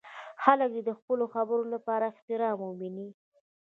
خلک دې د خپلو خبرو لپاره احترام وویني.